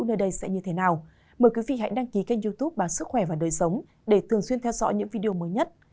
các bạn hãy đăng ký kênh youtube bản sức khỏe và đời sống để thường xuyên theo dõi những video mới nhất